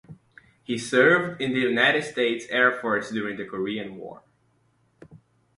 He served in the United States Air Force during the Korean War.